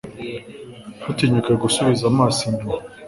ntutinyuke gusubiza amaso inyuma